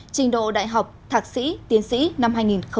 trình độ đại học thạc sĩ tiến sĩ năm hai nghìn một mươi chín